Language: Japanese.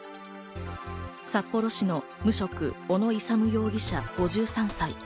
札幌市の無職・小野勇容疑者５３歳。